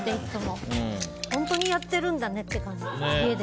本当にやってるんだねって感じ家で。